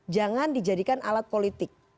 jangan dijadikan alat politik